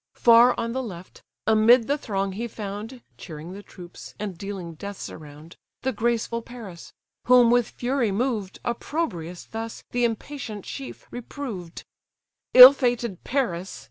Far on the left, amid the throng he found (Cheering the troops, and dealing deaths around) The graceful Paris; whom, with fury moved, Opprobrious thus, th' impatient chief reproved: "Ill fated Paris!